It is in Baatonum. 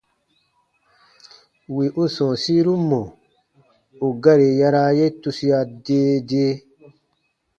Wì u sɔ̃ɔsiru mɔ̀ ù gari yaraa ye tusia dee dee.